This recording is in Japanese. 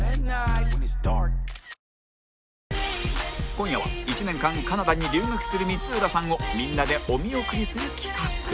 今夜は１年間カナダに留学する光浦さんをみんなでお見送りする企画